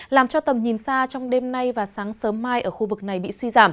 làm cho tầm nhìn xa trong đêm nay và sáng sớm mai